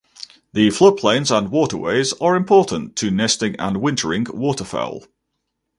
The floodplains and waterways are important to nesting and wintering waterfowl.